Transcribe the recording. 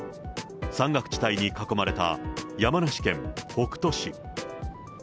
山岳地帯に囲まれた山梨県北杜市。